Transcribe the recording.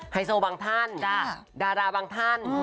ไฮโซบางท่านดาราบางท่าน